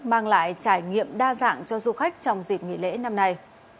mang lại trải nghiệm đa dạng cho du khách trong dịp nghỉ lễ năm nay